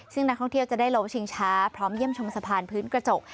ซึ่งนักท่องเที่ยวจะได้โลชิงช้าพร้อมเยี่ยมชมสะพานพื้นกระจก